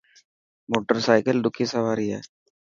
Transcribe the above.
موٽر سائڪل ڏکي سواري هي.